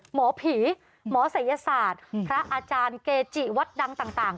หมอผีหมอศัยศาสตร์พระอาจารย์เกจิวัดดังต่าง